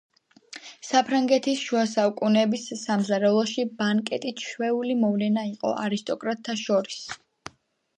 საფრანგეთის შუასაუკუნეების სამზარეულოში ბანკეტი ჩვეული მოვლენა იყო არისტოკრატთა შორის.